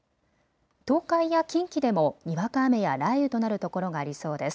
東海や近畿でもにわか雨や雷雨となる所がありそうです。